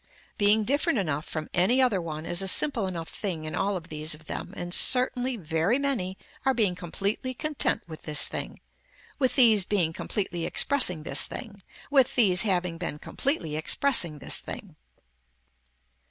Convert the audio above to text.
Being different enough from any other one is a simple enough thing in all of these of them and certainly very many are being completely content with this thing, with these being completely expressing this thing, with these having been completely expressing this thing.